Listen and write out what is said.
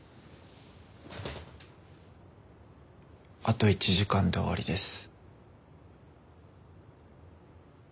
あと１時間で終わりです。